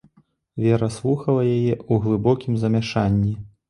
Вера слухала яе ў глыбокім замяшанні.